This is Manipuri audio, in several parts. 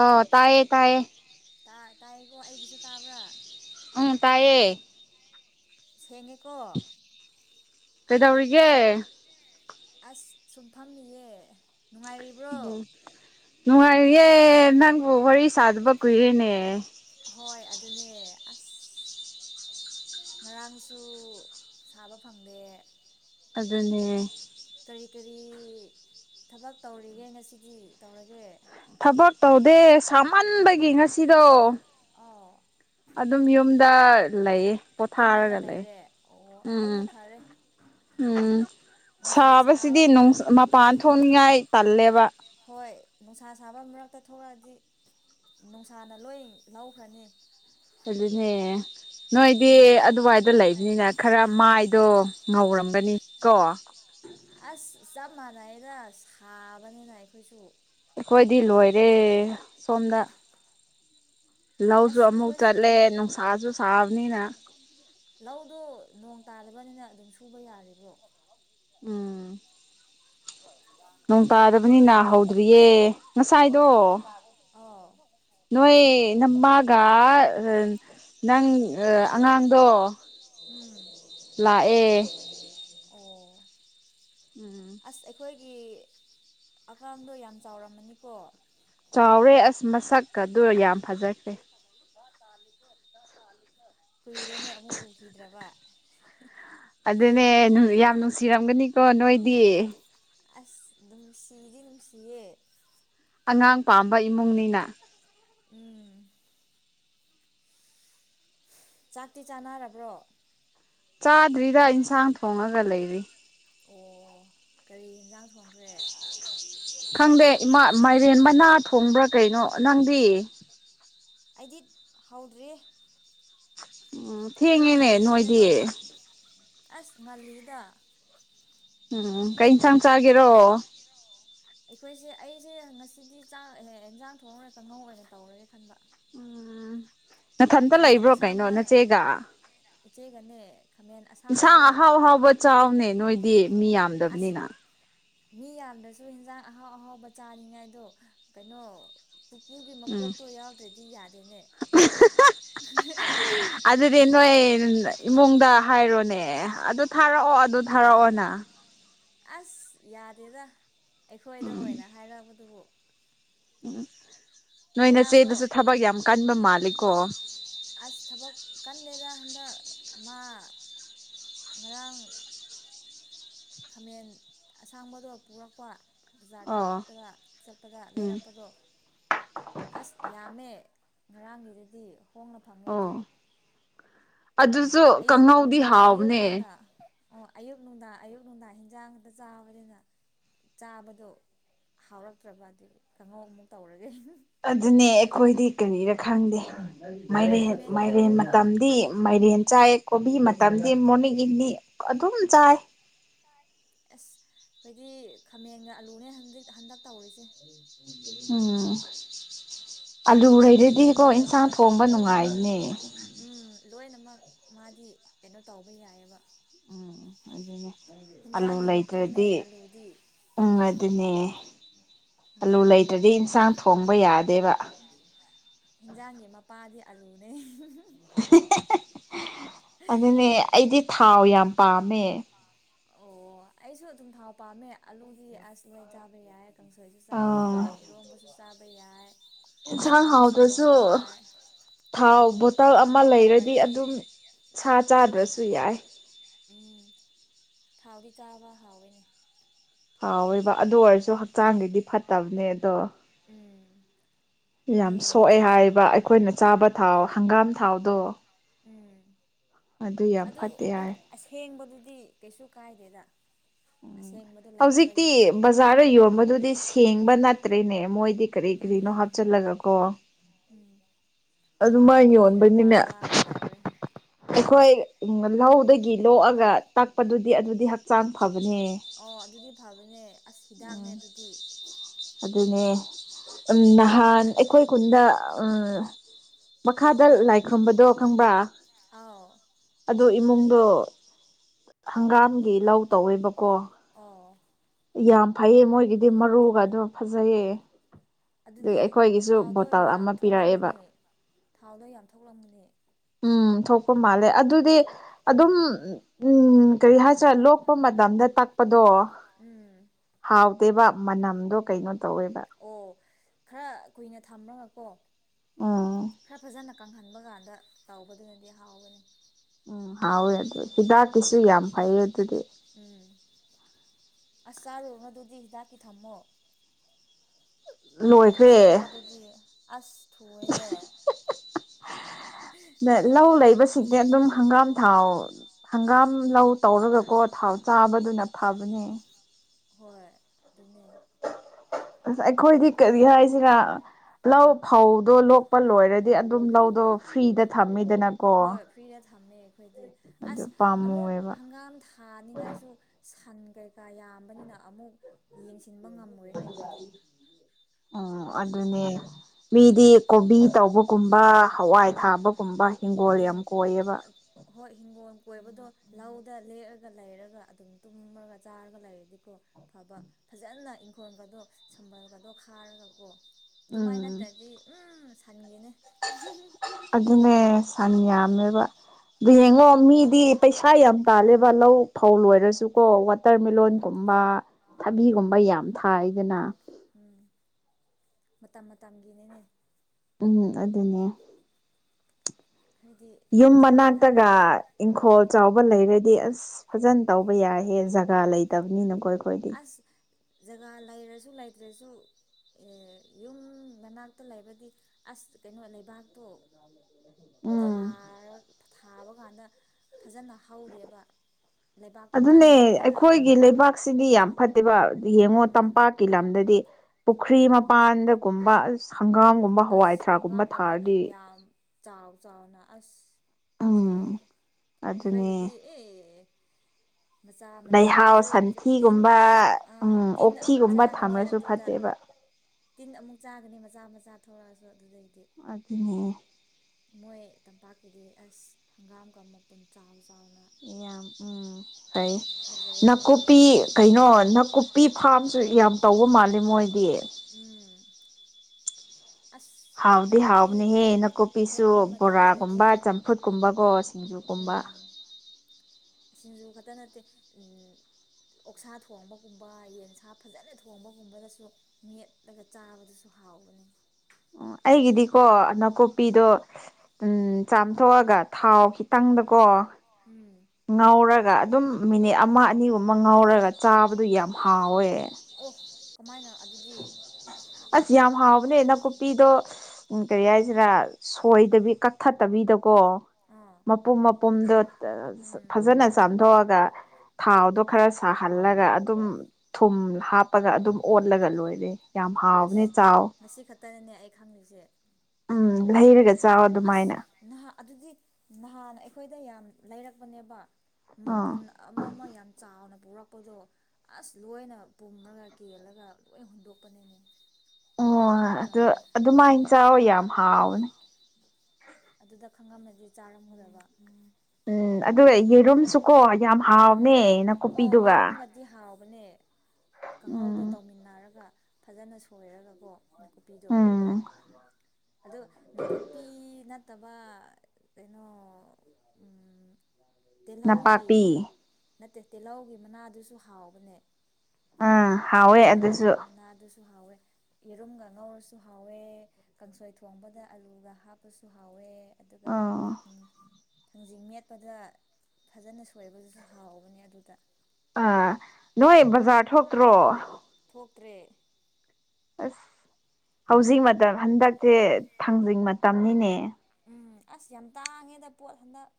ꯑꯣ ꯇꯥꯏꯌꯦ ꯇꯥꯏꯌꯦ ꯇꯥꯏꯀꯣ ꯑꯩꯒꯤꯁꯨ ꯇꯥꯕ꯭ꯔꯥ ꯎ ꯇꯌꯦ ꯁꯦꯡꯉꯦꯀꯣ ꯀꯩꯗꯧꯔꯤꯒ ꯑꯁ ꯁꯨꯐꯝ ꯃꯤꯌꯦ ꯑꯣ ꯅꯨꯡꯉꯥꯏꯔꯤꯌꯦꯦ ꯅꯪꯕꯨ ꯋꯥꯔꯤ ꯁꯥꯗꯕ ꯀꯨꯏꯔꯦꯅꯦ ꯍꯣꯏ ꯑꯗꯨꯅꯦ ꯑꯁ ꯉꯔꯥꯡꯁꯨ ꯁꯥꯕ ꯐꯪꯗꯦ ꯑꯗꯨꯅꯦ ꯀꯔꯤ ꯀꯔꯤ ꯊꯕꯛ ꯇꯧꯔꯤꯒꯦ ꯉꯁꯤꯗꯤ ꯇꯧꯔꯒꯦ ꯊꯕꯛ ꯇꯧꯗꯦ ꯁꯥꯃꯟꯕꯒꯤ ꯉꯁꯤꯗꯣ ꯑꯥꯎ ꯑꯗꯨꯝ ꯌꯨꯝꯗ ꯂꯩꯌꯦ ꯇꯨꯝꯔꯒ ꯄꯣꯊꯔꯒ ꯂꯩ ꯂꯩꯔꯦ ꯑꯣ ꯎꯝ ꯑꯗꯨꯅ ꯐꯔꯦ ꯎꯝ ꯅꯨꯡꯁꯥ ꯁꯥꯕ ꯁꯥꯕꯁꯤꯗꯤ ꯃꯄꯥꯟ ꯊꯣꯛꯅꯤꯡꯉꯥꯏ ꯇꯜꯂꯦꯕ ꯍꯣꯏ ꯅꯨꯡꯁꯥ ꯁꯥꯕ ꯃꯔꯛꯇ ꯊꯣꯛꯂꯛꯑꯗꯤ ꯅꯨꯡꯁꯥꯅ ꯂꯣꯏ ꯂꯧꯈ꯭ꯔꯅꯤ ꯑꯗꯨꯅꯦ ꯆꯨ ꯅꯣꯏꯗꯤ ꯀꯨꯃꯦꯟꯒ ꯂꯣꯏ ꯑꯗꯨꯋꯥꯏꯗ ꯃꯥꯡꯈ꯭ꯔꯅꯤ ꯂꯩꯕꯅꯤꯅ ꯈꯔ ꯃꯥꯏꯗꯣ ꯉꯧꯔꯒꯅꯤ ꯀꯣ ꯑꯁ ꯆꯞ ꯃꯥꯟꯅꯩꯗ ꯁꯥꯕꯅꯤꯅ ꯑꯩꯈꯣꯏꯁꯨ ꯑꯩꯈꯣꯏꯗꯤ ꯂꯣꯏꯔꯦ ꯁꯣꯝꯗ ꯂꯧꯁꯨ ꯑꯁ ꯑꯃꯨꯛ ꯑꯩꯈꯣꯏꯁꯨ ꯆꯠꯂꯦ ꯑꯗꯨꯝꯅꯤꯗ ꯅꯨꯡꯁꯥꯁꯨ ꯁꯥꯕꯅꯤꯅ ꯂꯧꯗꯣ ꯅꯣꯡ ꯇꯥꯗꯕꯅꯤꯅ ꯑꯗꯨꯝ ꯁꯨꯕ ꯌꯥꯔꯤꯕ꯭ꯔꯣ ꯎꯝ ꯅꯣꯡ ꯇꯥꯗ ꯕꯅꯤꯅ ꯍꯧꯗ꯭ꯔꯤꯌꯦ ꯉꯁꯥꯏꯗꯣ ꯑꯥꯎ ꯅꯣꯏ ꯅꯃꯥꯒ ꯅꯪ ꯑꯉꯥꯡꯗꯣ ꯎꯝ ꯂꯥꯛꯑꯦ ꯑꯣ ꯎꯝ ꯑꯁ ꯑꯩꯈꯣꯏꯒꯤ ꯑꯉꯥꯡꯗꯣ ꯌꯥꯝ ꯆꯥꯎꯔꯝꯃꯅꯤꯀꯣ ꯆꯥꯎꯔꯦ ꯑꯁ ꯃꯁꯛ ꯑꯗꯨ ꯌꯥꯝ ꯐꯖꯈ꯭ꯔꯦ ꯀꯨꯏꯔꯦꯅꯦ ꯑꯃꯨꯛ ꯎꯈꯤꯗ꯭ꯔꯕ ꯑꯗꯨꯅꯦ ꯌꯥꯝ ꯅꯨꯡꯁꯤꯔꯝꯒꯅꯤꯀꯣ ꯅꯣꯏꯗꯤ ꯑꯁ ꯅꯨꯡꯁꯤꯗꯤ ꯅꯨꯡꯁꯤꯌꯦ ꯑꯉꯥꯡ ꯄꯥꯝꯕ ꯏꯃꯨꯡꯅꯤꯅ ꯎꯝ ꯆꯥꯛꯇꯤ ꯆꯥꯅꯔꯕ꯭ꯔꯣ ꯆꯥꯗ꯭ꯔꯤꯗ ꯏꯟꯁꯥꯡ ꯊꯣꯡꯉꯒ ꯂꯩꯔꯤ ꯑꯣ ꯀꯔꯤ ꯍꯤꯟꯖꯥꯡ ꯊꯣꯡꯈ꯭ꯔꯦ ꯈꯪꯗꯦ ꯏꯃꯥ ꯃꯥꯏꯔꯦꯟ ꯃꯅꯥ ꯊꯣꯡꯕ꯭ꯔꯥ ꯀꯩꯅꯣ ꯅꯪꯗꯤ ꯑꯩꯗꯤꯠ ꯍꯧꯗ꯭ꯔꯤ ꯎꯝ ꯈꯔ ꯊꯦꯡꯉꯦꯅꯦ ꯉꯜꯂꯤꯑꯅ ꯅꯣꯏꯗꯤ ꯇꯧꯕ ꯑꯁ ꯉꯜꯂꯤꯗ ꯎꯝ ꯀꯩ ꯏꯟꯁꯥꯡ ꯆꯥꯒꯦꯔꯣ ꯑꯩꯈꯣꯏꯁꯦ ꯑꯩꯁꯦ ꯉꯁꯤꯗꯤ ꯆꯥꯛ ꯍꯦꯟꯖꯥꯡ ꯊꯣꯡꯉꯔꯣꯢ ꯀꯥꯡꯉꯧ ꯑꯣꯏꯅ ꯇꯧꯔꯒꯦ ꯈꯟꯕ ꯎꯝ ꯅꯊꯟꯇ ꯂꯩꯕ꯭ꯔꯣ ꯀꯩꯅꯣ ꯅꯥꯆꯦꯒ ꯢꯆꯦꯒꯅꯦ ꯏꯟꯁꯥꯡ ꯑꯍꯥꯎ ꯑꯍꯥꯎꯕ ꯆꯥꯎꯅꯦ ꯅꯣꯏꯗꯤ ꯃꯤ ꯌꯥꯝꯗꯕꯅꯤꯅ ꯑꯁ ꯃꯤ ꯌꯥꯝꯗ꯭ꯔꯁꯨ ꯍꯤꯟꯖꯥꯡ ꯑꯍꯥꯎ ꯑꯍꯥꯎꯕ ꯆꯥꯅꯤꯡꯉꯥꯏꯗꯣ ꯀꯩꯅꯣ ꯄꯨꯄꯨꯒꯤ ꯎꯝ ꯃꯀꯣꯛꯇꯣ ꯌꯥꯎꯗ꯭ꯔꯗꯤ ꯌꯥꯗꯦꯅꯦ [unintelligible] [unintelligible] ꯑꯗꯨꯗꯤ ꯅꯣꯏ ꯏꯃꯨꯡꯗ ꯍꯥꯏꯔꯣꯅꯦ ꯑꯗꯨ ꯊꯥꯔꯛꯑꯣ ꯑꯗꯨ ꯊꯥꯔꯛꯑꯣꯅ ꯑꯁ ꯌꯥꯗꯦꯗ ꯑꯩꯈꯣꯏꯗ ꯑꯣꯏꯅ ꯍꯥꯏꯔꯛꯄꯗꯨꯕꯨ ꯎꯝ ꯅꯣꯏ ꯉꯔꯥꯡꯗꯣ ꯅꯆꯦꯗꯨꯁꯨ ꯊꯕꯛ ꯌꯥꯝ ꯀꯟꯕ ꯃꯥꯜꯂꯤꯀꯣ ꯑꯁ ꯊꯕꯛ ꯀꯟꯗꯦꯗ ꯍꯟꯗꯛ ꯃꯥ ꯉꯔꯥꯡ ꯈꯥꯃꯦꯟ ꯑꯁꯥꯡꯕꯗꯣ ꯄꯨꯔꯛꯄ ꯕꯖꯥꯔ ꯑꯣ ꯊꯣꯛꯄꯗ ꯆꯠꯄꯗ ꯎꯝ ꯂꯩꯔꯛꯄꯗꯣ ꯑꯁ ꯌꯥꯝꯃꯦ ꯉꯔꯥꯡꯒꯤꯗꯨꯗꯤ ꯍꯣꯡꯅ ꯐꯪꯉꯦ ꯑꯗꯨꯒꯤ ꯑꯣ ꯎꯝ ꯑꯗꯨꯁꯨ ꯑꯌꯨꯛ ꯀꯥꯡꯉꯧꯗꯤ ꯅꯨꯡꯗꯥꯡ ꯑꯌꯨꯛ ꯍꯥꯎꯕꯅꯦ ꯅꯨꯡꯗꯥꯡ ꯑꯣ ꯑꯌꯨꯛ ꯅꯨꯡꯗꯥꯡ ꯑꯌꯨꯛ ꯅꯨꯡꯗꯥꯡ ꯍꯤꯟꯖꯥꯡ ꯈꯛꯇ ꯆꯥꯕꯅꯤꯅ ꯆꯥꯕꯗꯣ ꯍꯥꯎꯔꯛꯇ꯭ꯔꯥꯕ ꯑꯗꯨꯒꯤ ꯀꯥꯡꯍꯧ ꯑꯃꯨꯛ ꯇꯧꯔꯒꯦ ꯑꯗꯨꯅꯦ ꯑꯩꯈꯣꯏꯗꯤ ꯀꯔꯤꯔꯥ ꯈꯪꯗꯦ ꯃꯥꯏꯔꯦꯟ ꯈꯥꯃꯦꯟꯒ ꯃꯥꯏꯔꯦꯟ ꯑꯂꯨ ꯃꯇꯝꯗꯤ ꯑꯁ ꯃꯥꯏꯔꯦꯟ ꯆꯥꯏ ꯀꯣꯕꯤ ꯃꯇꯝꯗꯤ ꯃꯣꯔꯅꯤꯡ ꯢꯕꯤꯅꯤꯡ ꯑꯗꯨꯝ ꯆꯥꯏ ꯑꯦꯁ ꯑꯈꯣꯏꯗꯤ ꯈꯥꯃꯦꯟꯒ ꯑꯂꯨꯅꯦꯟ ꯍꯟꯗꯛ ꯇꯧꯔꯤꯁꯦ ꯎꯝ ꯑꯂꯨ ꯂꯩꯔꯗꯤꯀꯣ ꯈꯥꯃꯦꯟꯒ ꯏꯟꯁꯥꯡ ꯑꯂꯨ ꯊꯣꯡꯝꯕ ꯅꯨꯡꯉꯥꯏꯕꯅꯦ ꯎꯝ ꯂꯣꯏꯅꯃꯛ ꯃꯥꯗꯤ ꯀꯩꯅꯣ ꯇꯧꯕ ꯌꯥꯏꯑꯕ ꯎꯝ ꯑꯗꯨꯅꯦ ꯑꯂꯨ ꯍꯤꯟꯖꯥꯡꯒꯤ ꯃꯄꯨꯅꯦ ꯂꯩꯇ꯭ꯔꯗꯤ ꯑꯂꯨꯗꯤ ꯎꯝ ꯑꯗꯨꯅꯦ ꯑꯂꯨ ꯍꯤꯟꯖꯥꯡꯒꯤ ꯂꯩꯇ꯭ꯔꯗꯤ ꯃꯄꯨ ꯏꯟꯁꯥꯡ ꯊꯣꯡꯕ ꯌꯥꯗꯦꯕ ꯍꯤꯟꯖꯥꯡꯒꯤ ꯃꯄꯥꯗꯤ ꯑꯂꯨꯅꯦ ꯑꯗꯨꯅꯦ ꯑꯩꯗꯤ ꯊꯥꯎ ꯌꯥꯝ ꯊꯥꯎ ꯄꯥꯝꯃꯦ ꯌꯥꯝꯝ ꯑꯣ ꯑꯩꯁꯨ ꯑꯗꯨꯝ ꯊꯥꯎ ꯄꯥꯝꯃꯦ ꯑꯥꯂꯨꯗꯤ ꯑꯁ ꯂꯥꯏ ꯆꯥꯕ ꯌꯥꯏ ꯀꯥꯡꯁꯣꯏꯁꯨ ꯆꯥꯕ ꯑꯥ ꯌꯥꯏ ꯏꯔꯣꯝꯕꯁꯨ ꯆꯥꯕ ꯌꯥꯏ ꯏꯟꯁꯥꯡ ꯁꯥꯗꯁꯨ ꯍꯥꯎꯗ꯭ꯔꯁꯨ ꯊꯣꯡꯕ ꯌꯥꯏ ꯊꯥꯎ ꯑꯂꯨ ꯕꯣꯇꯜ ꯑꯃ ꯀꯥꯡꯉꯧ ꯂꯩꯔꯗꯤ ꯇꯧꯔꯗꯤ ꯑꯗꯨꯝ ꯁꯥ ꯆꯥꯗ꯭ꯔꯁꯨ ꯌꯥꯏ ꯎꯝ ꯊꯥꯎꯗꯤ ꯆꯥꯕ ꯍꯥꯎꯋꯦꯅꯦ ꯍꯥꯎꯋꯦꯕ ꯑꯗꯨ ꯑꯣꯏꯔꯁꯨ ꯍꯛꯆꯥꯡꯒꯤꯗꯤ ꯐꯠꯇꯕꯅꯦ ꯑꯗꯣ ꯎꯝ ꯌꯥꯝ ꯁꯣꯛꯑꯦ ꯃꯨꯕꯅꯦ ꯍꯥꯏꯕ ꯑꯩꯈꯣꯏꯅ ꯆꯥꯕ ꯊꯥꯎ ꯍꯪꯒꯥꯝ ꯊꯥꯎꯗꯣ ꯎꯝ ꯌꯥꯝ ꯑꯗꯨ ꯐꯠꯇꯦ ꯑꯗꯨ ꯍꯥꯏ ꯑꯁꯦꯡꯕꯗꯨꯗꯤ ꯀꯩꯁꯨ ꯀꯥꯏꯗꯦꯗ ꯎꯝ ꯑꯁꯦꯡꯕꯗꯣ ꯍꯧꯖꯤꯛꯇꯤ ꯂꯩꯇꯕꯒꯤꯅꯦꯕ ꯕꯖꯥꯔꯗ ꯑꯩꯈꯣꯏꯒꯤꯁꯨ ꯌꯣꯟꯕꯗꯨꯗꯤ ꯁꯦꯡꯕ ꯅꯠꯇ꯭ꯔꯦꯅꯦ ꯃꯣꯏꯗꯤ ꯀꯔꯤ ꯀꯔꯤꯅꯣ ꯎꯝ ꯍꯥꯞꯆꯜꯂꯒ ꯀꯣ ꯎꯝ ꯑꯗꯨꯃꯥꯏꯅ ꯃꯥꯟꯕꯤꯔ ꯌꯣꯟꯕꯅꯤꯅ ꯃꯥꯟꯕꯥꯟꯕꯔꯥ ꯇꯧꯔꯦ ꯑꯩꯈꯣꯏ ꯎ ꯂꯧꯗꯒꯤ ꯂꯣꯛꯑꯒ ꯇꯥꯛꯄꯗꯨꯗꯤ ꯑꯗꯨꯗꯤ ꯍꯛꯆꯥꯡ ꯐꯕꯅꯦ ꯑꯣ ꯑꯗꯨꯗꯤ ꯐꯕꯅꯦ ꯑꯁ ꯍꯤꯗꯥꯛꯅꯦ ꯑꯗꯨꯗꯤ ꯑꯗꯨꯅꯦ ꯅꯍꯥꯟ ꯑꯩꯈꯣꯏ ꯈꯨꯟꯗ ꯃꯈꯥꯗ ꯂꯥꯏ ꯈꯨꯔꯨꯝꯝꯕꯗꯣ ꯈꯪꯕ꯭ꯔ ꯑꯥꯎ ꯑꯣ ꯏꯃꯨꯡꯗꯣ ꯍꯪꯒꯥꯝꯒꯤ ꯂꯧ ꯇꯧꯋꯦꯕꯀꯣ ꯑꯣ ꯌꯥꯝ ꯐꯩꯌꯦ ꯃꯣꯏꯒꯤꯗꯤ ꯃꯔꯨꯒ ꯑꯗꯨꯝ ꯐꯖꯩꯌꯦ ꯑꯗꯨ ꯑꯗꯨꯗꯤ ꯑꯩꯈꯣꯏꯒꯤꯁꯨ ꯊꯥꯎꯗꯣ ꯕꯣꯇꯥꯜ ꯑꯃ ꯄꯤꯔꯛꯑꯦꯕ ꯊꯥꯗꯣ ꯌꯥꯝ ꯊꯣꯛꯂꯝꯒꯅꯤ ꯎꯝ ꯊꯣꯛꯄ ꯃꯥꯜꯂꯦ ꯑꯗꯨꯗꯤ ꯑꯗꯨꯝ ꯎꯝ ꯀꯔꯤ ꯍꯥꯏꯁꯤꯔꯥ ꯂꯣꯛꯄ ꯃꯇꯝꯗ ꯇꯥꯛꯄꯗꯣ ꯎꯝ ꯍꯥꯎꯗꯦꯕ ꯃꯅꯝꯗꯣ ꯀꯩꯅꯣ ꯇꯧꯋꯦꯕ ꯑꯣ ꯈꯔ ꯀꯨꯏꯅ ꯊꯝꯕꯣꯒꯀꯣ ꯎꯝ ꯈꯔ ꯐꯖꯅ ꯀꯪꯍꯟꯕ ꯀꯥꯟꯗ ꯇꯧꯕꯗꯨꯅꯗꯤ ꯑꯍꯥꯎꯕꯅꯤ ꯎꯝ ꯍꯥꯎꯋꯦ ꯑꯗꯨ ꯎꯝ ꯍꯤꯗꯥꯛꯀꯤꯁꯨ ꯌꯥꯝ ꯐꯩꯌꯦ ꯑꯗꯨꯗꯤ ꯎꯝ ꯑꯁ ꯆꯥꯔꯨꯔꯅ ꯑꯗꯨꯗꯤ ꯍꯤꯗꯥꯛꯀꯤ ꯊꯝꯃꯣ ꯂꯣꯏꯈ꯭ꯔꯦ ꯑꯁꯦꯡꯕꯗꯨꯗꯤ ꯑꯁ ꯊꯨꯑꯍꯦ ꯂꯧ ꯂꯩꯕꯁꯤꯗꯤ ꯑꯗꯨꯝ ꯍꯪꯒꯥꯝ ꯊꯥꯎ ꯍꯪꯒꯥꯝ ꯂꯧ ꯇꯧꯔꯒꯀꯣ ꯊꯥꯎ ꯆꯥꯕꯗꯨꯅ ꯐꯕꯅꯦ ꯍꯣꯏ ꯑꯗꯨꯅꯦ ꯑꯁ ꯑꯩꯈꯣꯏꯗꯤ ꯀꯔꯤ ꯍꯥꯏꯁꯤꯔ ꯂꯧ ꯐꯧꯗꯣ ꯂꯣꯛꯄ ꯂꯣꯏꯔꯗꯤ ꯑꯗꯨꯝ ꯂꯧꯗꯣ ꯐ꯭ꯔꯤꯗ ꯊꯝꯃꯤꯗꯅ ꯍꯣꯏ ꯐ꯭ꯔꯤꯗ ꯊꯝꯃꯦ ꯑꯩꯈꯣꯏꯗꯤ ꯑꯗꯨ ꯑꯁ ꯑꯃꯨꯛ ꯄꯥꯝꯃꯨꯑꯦꯕ ꯍꯪꯒꯥꯝ ꯊꯥꯅꯤꯡꯉꯥꯏꯁꯨ ꯁꯟ ꯀꯩꯀꯥ ꯌꯥꯝ ꯕꯅꯤꯅ ꯑꯃꯨꯛ ꯌꯦꯡꯁꯤꯟꯕ ꯉꯝꯃꯣꯏꯅ ꯑꯩꯈꯣꯏꯗꯤ ꯑꯣ ꯑꯗꯨꯅꯦ ꯃꯤꯗꯤ ꯀꯣꯕꯤ ꯇꯧꯕꯒꯨꯝꯕ ꯍꯋꯥꯏ ꯎꯝ ꯊꯥꯕꯒꯨꯝꯕ ꯍꯤꯡꯒꯣꯜ ꯑꯗꯨꯝ ꯌꯥꯝ ꯀꯣꯏꯌꯦꯕ ꯍꯣꯏ ꯍꯤꯡꯒꯣꯜ ꯀꯣꯏꯕꯗꯣ ꯂꯧꯗ ꯂꯦꯛꯑꯒ ꯂꯩꯔꯒ ꯑꯗꯨꯝ ꯇꯨꯝꯃꯒ ꯆꯥꯔꯒ ꯂꯩꯔꯗꯤꯀꯣ ꯐꯕ ꯐꯖꯅ ꯏꯪꯈꯣꯜꯒꯗꯣ ꯁꯝꯕꯜꯒꯗꯣ ꯈꯥꯔꯒꯀꯣ ꯑꯗꯨꯃꯥꯏꯅ ꯎꯝ ꯅꯠꯇ꯭ꯔꯗꯤ ꯎꯝ ꯁꯟꯒꯦꯅꯦ ꯑꯗꯨꯅꯦ ꯁꯟ ꯌꯥꯝꯃꯦꯕ ꯑꯗꯨ ꯌꯦꯡꯉꯣ ꯃꯤꯗꯤ ꯄꯩꯁꯥ ꯌꯥꯝ ꯇꯥꯜꯂꯦꯕ ꯂꯧ ꯐꯧ ꯂꯣꯏꯔꯁꯨꯀꯣ ꯋꯥꯇꯔ ꯃꯂꯣꯟꯒꯨꯝꯕ ꯊꯕꯤꯒꯨꯝꯕ ꯌꯥꯝ ꯊꯥꯏꯗꯅ ꯎꯝ ꯃꯇꯝ ꯃꯇꯝꯒꯤꯅꯦꯅꯦ ꯎꯝ ꯑꯗꯨꯅꯦ ꯍꯥꯏꯗꯤ ꯌꯨꯝ ꯇꯟꯕꯅꯤꯅ ꯃꯅꯥꯛꯇꯒ ꯏꯪꯈꯣꯜ ꯆꯥꯎꯕ ꯂꯩꯔꯗꯤ ꯑꯁ ꯐꯖꯅ ꯇꯧꯕ ꯌꯥꯏꯍꯦ ꯖꯒꯥ ꯂꯩꯇꯕꯅꯤꯅꯈꯣꯏ ꯑꯩꯈꯣꯏꯗꯤ ꯑꯁ ꯖꯒꯥ ꯂꯩꯔꯁꯨ ꯂꯩꯇ꯭ꯔꯁꯨ ꯑꯦ ꯌꯨꯝ ꯃꯅꯥꯛꯇ ꯂꯩꯕꯗꯤ ꯑꯁ ꯀꯩꯅꯣ ꯂꯩꯕꯥꯛꯇꯣ ꯎꯝ ꯊꯥꯔ ꯊꯥꯕ ꯀꯥꯟꯗ ꯐꯖꯅ ꯍꯧꯗꯦꯕ ꯂꯩꯕꯥꯛꯇꯣ ꯑꯗꯨꯅꯦ ꯀꯟꯕꯅꯤꯅ ꯑꯩꯈꯣꯏꯒꯤ ꯂꯩꯕꯥꯛꯁꯤꯗꯤ ꯌꯥꯝ ꯐꯠꯇꯦꯕ ꯌꯦꯡꯉꯣ ꯎꯝ ꯇꯝꯄꯥꯛ ꯂꯝꯗꯗꯤ ꯄꯨꯈ꯭ꯔꯤ ꯃꯄꯥꯟꯗꯒꯨꯝꯕ ꯑ ꯍꯪꯒꯥꯝꯒꯨꯝꯕ ꯑꯁ ꯍꯋꯥꯏꯊꯔꯥꯛꯒꯨꯝꯕ ꯍꯪꯒꯥꯝꯒꯨꯝꯕ ꯊꯥꯔꯗꯤ ꯌꯥꯝ ꯆꯥꯎ ꯆꯥꯎꯅ ꯑꯁ ꯐꯖꯩꯑ ꯎꯝ ꯑꯩꯈꯣꯏꯒꯤꯗꯤ ꯑꯗꯨꯅꯦ ꯑꯦ ꯃꯆꯥ ꯃꯆꯥ ꯂꯩꯍꯥꯎ ꯑꯗꯨ ꯑꯣꯏꯔꯁꯨ ꯇꯤꯟ ꯁꯟꯊꯤꯒꯨꯝꯕ ꯑꯥ ꯎꯝ ꯇꯤꯟ ꯑꯃꯨꯛ ꯑꯣꯛꯊꯤꯒꯨꯝꯕ ꯆꯥꯒꯅꯤ ꯊꯝꯔꯁꯨ ꯑꯗꯨꯗ ꯐꯠꯇꯦꯕ ꯇꯤꯟ ꯑꯃꯨꯛ ꯆꯥꯒꯅꯤ ꯃꯆꯥ ꯃꯆꯥ ꯊꯣꯔꯛꯑꯁꯨ ꯑꯗꯨꯗꯩꯗꯤ ꯑꯗꯨ [inaudible] ꯃꯣꯏ ꯇꯝꯄꯥꯛꯀꯤꯗꯤ ꯑꯁ ꯍꯪꯒꯥꯝꯒ ꯃꯄꯨꯟ ꯆꯥꯎ ꯆꯥꯎꯅ ꯌꯥꯝ ꯎꯝ ꯐꯩ ꯐꯖꯩꯌꯦ ꯃꯣꯏꯒꯤꯗꯤ ꯅꯥꯀꯨꯞꯄꯤ ꯀꯩꯅꯣ ꯅꯥꯀꯨꯞꯄꯤ ꯐꯥꯔꯝꯁꯨ ꯌꯥꯝ ꯇꯧꯕ ꯃꯥꯜꯂꯦ ꯃꯣꯏꯗꯤ ꯎꯝ ꯑꯁ ꯍꯥꯎꯗꯤ ꯅꯥꯀꯨꯞꯄꯤ ꯍꯥꯎꯕꯅꯦꯍꯦ ꯍꯦꯛꯄ ꯅꯥꯀꯨꯞꯄꯤꯁꯨ ꯍꯦꯛꯄ ꯃꯇꯝꯗꯗꯤ ꯕꯣꯔꯥꯒꯨꯝꯕ ꯆꯝꯐꯨꯠꯀꯨꯝꯕꯀꯣ ꯁꯤꯡꯖꯨ ꯑꯣ ꯀꯨꯝꯕ ꯎꯝ ꯁꯤꯡꯖꯨ ꯈꯛꯇ ꯅꯠꯇꯦ ꯑꯣꯛꯁꯥ ꯊꯣꯡꯕꯒꯨꯝꯕ ꯌꯦꯟꯁꯥ ꯐꯖꯅ ꯊꯣꯡꯕꯒꯨꯝꯕꯗꯁꯨ ꯃꯦꯠꯂꯒ ꯆꯥꯕꯗꯨꯁꯨ ꯍꯥꯎꯕꯅꯤ ꯎꯝ ꯑꯩꯒꯤꯗꯤꯀꯣ ꯅꯥꯀꯨꯞꯄꯤꯗꯣ ꯑꯥ ꯎ ꯆꯥꯝꯊꯣꯛꯑꯒ ꯊꯥꯎ ꯈꯤꯇꯪꯒꯀꯣ ꯎꯝ ꯉꯥꯎꯔꯒ ꯑꯗꯨꯝ ꯃꯤꯅꯤꯠ ꯑꯃ ꯑꯅꯤꯒꯨꯝꯕ ꯉꯥꯎꯔꯒ ꯆꯥꯕꯗꯨ ꯌꯥꯝ ꯍꯥꯎꯋꯦ ꯑꯣꯍ ꯀꯃꯥꯏꯅ ꯑꯗꯨꯗꯤ ꯑꯁ ꯌꯥꯝ ꯍꯥꯎꯕꯅꯦ ꯅꯥꯀꯨꯞꯄꯤꯗꯣ ꯀꯔꯤ ꯍꯥꯏꯁꯤꯔ ꯁꯣꯏꯗꯕꯤ ꯊꯠꯇꯕꯤꯗꯀꯣ ꯑꯥ ꯃꯄꯨꯝ ꯃꯄꯨꯝꯗꯣ ꯐꯖꯅ ꯆꯥꯝꯊꯣꯛꯑꯒ ꯊꯥꯎꯗꯣ ꯈꯔ ꯁꯥꯍꯜꯂꯒ ꯑꯗꯨꯝ ꯊꯨꯝ ꯍꯥꯞꯄꯒ ꯑꯗꯨꯝ ꯑꯣꯠꯂꯒ ꯂꯣꯏ ꯌꯥꯝ ꯑꯁ ꯍꯥꯎꯕꯅꯦ ꯆꯥꯎ ꯉꯁꯤ ꯈꯛꯇꯅꯅꯦ ꯑꯩ ꯈꯪꯂꯤꯁꯦ ꯎꯝ ꯂꯩꯔꯒ ꯆꯥꯎ ꯑꯁ ꯑꯗꯨꯃꯥꯏꯅ ꯅꯍꯥ ꯑꯗꯨꯗꯤ ꯅꯍꯥꯟꯅ ꯑꯩꯈꯣꯏꯗ ꯌꯥꯝ ꯂꯩꯔꯛꯄꯅꯦꯕ ꯑꯥ ꯃꯄꯨꯟ ꯑꯃ ꯑꯃ ꯌꯥꯝ ꯆꯥꯎꯅ ꯄꯣꯔꯛꯄꯗꯣ ꯑꯁ ꯂꯣꯏꯅ ꯄꯨꯝꯔꯒ ꯀꯦꯜꯂꯒ ꯂꯣꯏ ꯍꯨꯟꯗꯣꯛꯄꯅꯤꯅꯦ ꯑꯣ ꯑꯗꯨ ꯑꯗꯣ ꯃꯇꯝꯗ ꯑꯗꯨꯃꯥꯏꯅ ꯆꯥꯎ ꯌꯥꯝ ꯍꯥꯎꯕꯅꯦ ꯑꯗꯨꯗ ꯈꯪꯉꯝꯃꯗꯤ ꯆꯥꯔꯝꯒꯨꯗꯕ ꯎꯝ ꯎꯝ ꯑꯗꯨꯒ ꯌꯦꯔꯨꯝꯁꯨꯀꯣ ꯌꯥꯝ ꯍꯥꯎꯅꯦ ꯅꯥꯀꯨꯞꯄꯤꯗꯨꯒ ꯗꯤ ꯍꯥꯎꯕꯅꯦ ꯀꯥꯡꯍꯧꯗꯣ ꯎꯝ ꯇꯧꯃꯤꯟꯅꯔꯒ ꯐꯖꯅ ꯁꯣꯏꯔꯒꯀꯣ ꯅꯥꯀꯨꯞꯄꯤꯗꯣ ꯎꯝ ꯑꯗꯣ ꯅꯥꯀꯨꯞꯄꯤ ꯅ ꯅꯠꯇꯕꯥ ꯀꯩꯅꯣ ꯇꯤꯜꯂꯧꯒꯤ ꯅꯄꯥꯛꯄꯤ ꯅꯠꯇꯦ ꯇꯤꯜꯍꯧꯒꯤ ꯃꯅꯥꯗꯨꯁꯨ ꯍꯥꯎꯕꯅꯦ ꯑꯥ ꯍꯥꯎꯋꯦ ꯑꯗꯨꯁꯨ ꯇꯤꯜꯍꯧꯒꯤ ꯃꯅꯥꯗꯨꯁꯨ ꯍꯥꯎꯋꯦ ꯌꯦꯔꯨꯝꯒ ꯉꯧꯔꯁꯨ ꯍꯥꯎꯋꯦ ꯀꯥꯡꯁꯣꯏ ꯊꯣꯡꯕꯗ ꯑꯂꯨꯒ ꯍꯥꯞꯄꯁꯨ ꯍꯥꯎꯋꯦ ꯑꯗꯨꯒ ꯑꯥ ꯑꯝ ꯊꯥꯡꯖꯤꯡ ꯃꯦꯠꯄꯗ ꯐꯖꯅ ꯁꯣꯏꯕꯗꯨꯁꯨ ꯍꯥꯎꯕꯅꯦ ꯑꯗꯨꯗ ꯑꯥ ꯅꯣꯏ ꯕꯖꯥꯔ ꯊꯣꯛꯇ꯭ꯔꯣ ꯊꯣꯛꯇ꯭ꯔꯦ ꯑꯁ ꯍꯧꯖꯤꯛ ꯃꯇꯝ ꯍꯟꯗꯛꯁꯦ ꯊꯥꯡꯖꯤꯡ ꯃꯇꯝꯅꯤꯅꯦ ꯎꯝ ꯑꯁ ꯌꯥꯝ ꯇꯥꯡꯉꯦꯗ ꯄꯣꯠ ꯍꯟꯗꯛ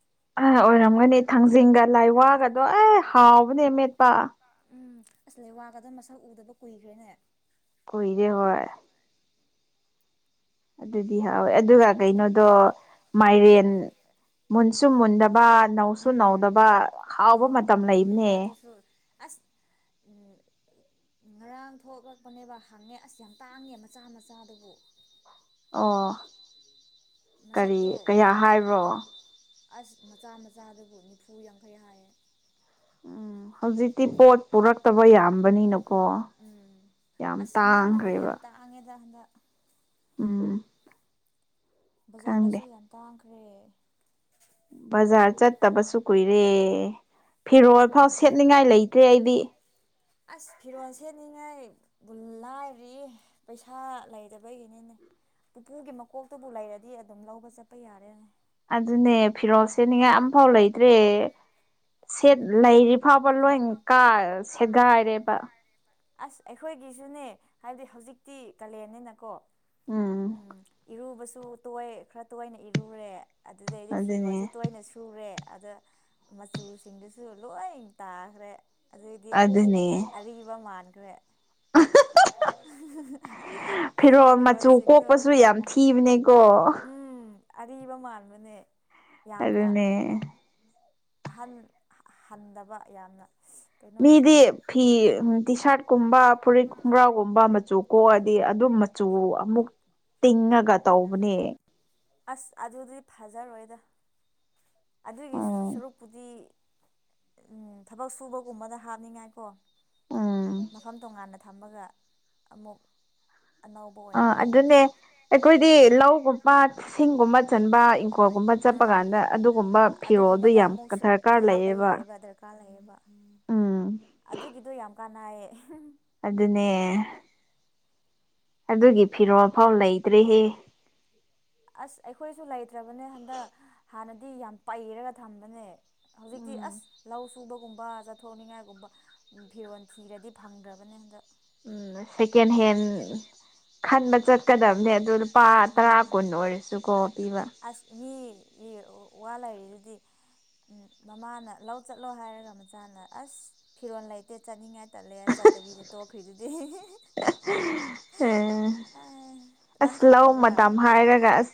ꯑ ꯑꯣꯏꯔꯝꯒꯅꯤ ꯊꯥꯡꯖꯤꯡꯒ ꯂꯥꯏꯋꯥꯒꯗꯣ ꯑꯦ ꯍꯥꯎꯕꯅꯦ ꯃꯦꯠꯄ ꯎꯝ ꯑꯁ ꯂꯩꯋꯥꯒꯗꯣ ꯃꯁꯛ ꯎꯗꯕ ꯀꯨꯏꯒ꯭ꯔꯦꯅꯦ ꯀꯨꯢꯔꯦ ꯍꯣꯢ ꯑꯗꯨꯗꯤ ꯍꯥꯎꯋꯦ ꯑꯗꯨꯒ ꯀꯩꯅꯣꯗꯣ ꯃꯥꯏꯔꯦꯟ ꯃꯨꯟ ꯁꯨ ꯃꯨꯟꯗꯕ ꯅꯧꯁꯨ ꯅꯧꯗꯕ ꯍꯥꯎꯕ ꯃꯇꯝ ꯂꯩꯕꯅꯦ ꯁꯨ ꯑꯁ ꯉꯔꯥꯡ ꯊꯣꯛꯂꯛꯄꯅꯦꯕ ꯍꯪꯉꯦ ꯑꯁ ꯌꯥꯝ ꯇꯥꯡꯉꯦ ꯃꯆꯥ ꯃꯆꯥꯗꯨꯕꯨ ꯑꯣ ꯀꯔꯤ ꯃꯁꯛꯇꯣ ꯀꯌꯥ ꯍꯥꯏꯕ꯭ꯔꯣ ꯑꯁ ꯃꯆꯥ ꯃꯆꯥꯗꯨꯕꯨ ꯅꯤꯐꯨ ꯌꯥꯡꯈꯩ ꯍꯥꯏꯌꯦ ꯎꯝ ꯍꯧꯖꯤꯛꯇꯤ ꯄꯣꯠ ꯄꯨꯔꯛꯇꯕ ꯌꯥꯝꯕꯅꯤꯅꯀꯣ ꯎꯝ ꯌꯥꯝ ꯑꯁ ꯍꯤꯟꯖꯥꯡ ꯅꯥꯄꯤ ꯇꯥꯡꯒ꯭ꯔꯦꯕ ꯌꯥꯝ ꯇꯥꯡꯉꯦꯗ ꯍꯟꯗꯛ ꯎꯝ ꯈꯪꯗꯦ ꯕꯖꯥꯔꯗꯁꯨ ꯌꯥꯝ ꯇꯥꯡꯈ꯭ꯔꯦ ꯕꯖꯥꯔ ꯆꯠꯇꯕꯁꯨ ꯀꯨꯏꯔꯦ ꯐꯤꯔꯣꯜ ꯐꯥꯎ ꯁꯦꯠꯅꯤꯡꯉꯥꯏ ꯂꯩꯇ꯭ꯔꯦ ꯑꯩꯗꯤ ꯑꯁ ꯐꯤꯔꯣꯜ ꯁꯦꯠꯅꯤꯡꯉꯥꯢ ꯕꯨꯜ ꯂꯥꯏꯔꯤꯌꯧ ꯄꯩꯁꯥ ꯂꯩꯗꯕꯒꯤꯅꯤꯅꯦ ꯄꯨꯄꯨꯒꯤ ꯃꯀꯣꯛꯇꯨꯕꯨ ꯂꯩꯔꯗꯤ ꯑꯗꯨꯝ ꯂꯧꯕ ꯆꯠꯄ ꯌꯥꯔꯦꯅꯦ ꯑꯗꯨꯅꯦ ꯐꯤꯔꯣꯜ ꯁꯦꯠ ꯅꯤꯡꯉꯥꯏ ꯑꯝꯐꯥꯎ ꯂꯩꯇ꯭ꯔꯦ ꯁꯦꯠ ꯂꯩꯔꯤ ꯐꯥꯎꯕ ꯂꯣꯏ ꯀꯥ ꯁꯦꯒꯥꯏꯔꯦꯕ ꯑꯁ ꯑꯩꯈꯣꯏꯒꯤꯁꯨꯅꯦ ꯍꯥꯏꯕꯗꯤ ꯍꯧꯖꯤꯛꯇꯤ ꯀꯥꯂꯦꯟꯅꯤꯅꯀꯣ ꯎꯝ ꯏꯔꯨꯕꯁꯨ ꯇꯣꯏ ꯈꯔ ꯇꯣꯏꯅ ꯏꯔꯨꯔꯦ ꯑꯗꯨꯗꯩꯗꯤ ꯐꯤꯔꯣꯜꯁꯨ ꯑꯗꯨꯅꯦ ꯇꯣꯏꯅ ꯁꯨꯔꯦ ꯑꯗ ꯃꯆꯨꯁꯤꯡꯗꯨꯁꯨ ꯂꯣꯏ ꯇꯥ ꯈ꯭ꯔꯦ ꯑꯗꯩꯗꯤ ꯑꯗꯨꯅꯦ ꯑꯔꯤꯕ ꯃꯥꯟꯒ꯭ꯔꯦ ꯐꯤꯔꯣꯜ ꯃꯆꯨ ꯐꯤꯔꯣꯜꯁꯤꯡꯗꯣ ꯀꯣꯛꯄꯁꯨ ꯌꯥꯝ ꯊꯤꯕꯅꯦꯀꯣ ꯎꯝ ꯑꯔꯤꯕ ꯃꯥꯟꯕꯅꯦ ꯌꯥꯝꯅ ꯑꯗꯨꯅꯦ ꯑꯍꯟ ꯍꯟꯗꯕ ꯌꯥꯝꯅ ꯀꯩꯅꯣ ꯃꯤꯗꯤ ꯐꯤ ꯇꯤ ꯁꯥꯔꯠ ꯀꯨꯝꯕ ꯐꯨꯔꯤꯠ ꯈꯣꯡꯒ꯭ꯔꯥꯎꯒꯨꯝꯕ ꯃꯆꯨ ꯀꯣꯛꯑꯗꯤ ꯑꯗꯨ ꯃꯆꯨ ꯑꯃꯨꯛ ꯇꯤꯡꯉ ꯑꯁ ꯑꯗꯨꯗꯤ ꯐꯖꯔꯣꯏꯗ ꯑꯗꯨꯒꯤ ꯎꯝ ꯁꯔꯨꯛꯄꯨꯗꯤ ꯊꯕꯛ ꯁꯨꯕꯒꯨꯝꯕꯗ ꯍꯥꯞꯅꯤꯡꯉꯥꯏꯀꯣ ꯎꯝ ꯃꯐꯝ ꯇꯣꯉꯥꯟꯅ ꯊꯝꯃꯒ ꯑꯃꯨꯛ ꯑꯅꯧꯕ ꯑꯣꯏꯅ ꯑꯥ ꯂꯩꯕꯗꯣ ꯑꯗꯨꯅꯦ ꯑꯩꯈꯣꯏꯗꯤ ꯂꯧꯒꯨꯝꯕ ꯁꯤꯡꯒꯨꯝꯕ ꯆꯟꯕ ꯏꯪꯈꯣꯜꯒꯨꯝꯕ ꯆꯠꯄ ꯎꯝ ꯀꯥꯟꯗ ꯑꯗꯨꯒꯨꯝꯕ ꯐꯤꯔꯣꯜꯗꯣ ꯑꯗꯨꯒꯨꯝꯕꯗ ꯌꯥꯝ ꯑꯃꯨꯛ ꯗꯔꯀꯥꯔ ꯍꯥꯞꯄ ꯂꯩꯌꯦꯕ ꯌꯥꯏꯑꯕ ꯗꯔꯀꯥꯔ ꯂꯩꯌꯦꯕ ꯎꯝ ꯑꯗꯨꯒꯤꯗꯣ ꯌꯥꯝ ꯀꯥꯅꯥꯢꯌꯦ ꯑꯗꯨꯅꯦ ꯑꯗꯨꯒꯤ ꯐꯤꯔꯣꯜ ꯐꯥꯎ ꯂꯩꯇ꯭ꯔꯦꯍꯦ ꯑꯁ ꯑꯩꯈꯣꯏꯁꯨ ꯂꯩꯇ꯭ꯔꯕꯅꯦ ꯍꯟꯗꯛ ꯍꯥꯟꯅꯗꯤ ꯌꯥꯝ ꯄꯩꯔꯒ ꯊꯝꯕꯅꯦ ꯍꯧꯖꯤꯛꯇꯤ ꯎꯝ ꯑꯁ ꯂꯧ ꯁꯨꯕꯒꯨꯝꯕ ꯆꯠ ꯊꯣꯛꯅꯤꯡꯉꯥꯏꯒꯨꯝꯕ ꯐꯤꯔꯣꯜ ꯊꯤꯔꯗꯤ ꯐꯪꯗ꯭ꯔꯕꯅꯦ ꯍꯟꯗꯛ ꯎꯝ ꯁꯦꯀꯦꯟ ꯍꯦꯟ ꯈꯟꯕ ꯆꯠꯀꯗꯕꯅꯦ ꯑꯗꯨ ꯄꯥ ꯇꯔꯥ ꯀꯨꯟ ꯎꯝ ꯑꯣꯏꯔꯁꯨꯀꯣ ꯄꯤꯕ ꯑꯁ ꯃꯤꯒꯤ ꯋꯥ ꯂꯩꯔꯤꯗꯨꯗꯤ ꯎ ꯃꯃꯥꯅ ꯂꯧ ꯆꯠꯂꯣ ꯍꯥꯏꯔꯒ ꯃꯆꯥꯅ ꯑꯁ ꯐꯤꯔꯣꯜ ꯂꯩꯇꯦ ꯆꯠꯅꯤꯡꯉꯥꯏ ꯇꯠꯂꯦ ꯆꯠꯇꯕꯤꯗ ꯇꯣꯛꯈ꯭ꯔꯤꯗꯨꯗꯤ ꯑꯦ ꯑꯦ ꯅꯪ ꯑꯁ ꯂꯧ ꯈꯪꯗꯕ꯭ꯔꯥ ꯃꯇꯝ ꯍꯥꯏꯔꯒ ꯑꯁ